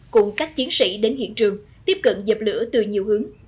cùng các chiến sĩ đến hiện trường tiếp cận dập lửa từ nhiều hướng